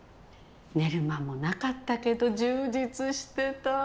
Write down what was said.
寝る間もなかったけど充実してた。